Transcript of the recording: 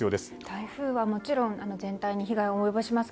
台風は全体に被害を及ぼします。